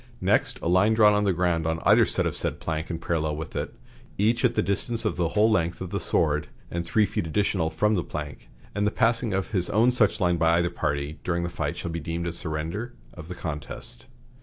Next, a line drawn on the ground on either side of said plank and parallel with it, each at the distance of the whole length of the sword and three feet additional from the plank, and the passing of his own such line by either party during the fight shall be deemed a surrender of the contest."